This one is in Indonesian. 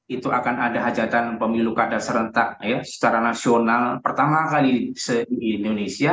itu akan ada hajatan pemilu kada serentak secara nasional pertama kali di indonesia